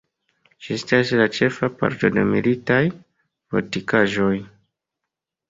Ĝi estas la ĉefa parto de militaj fortikaĵoj.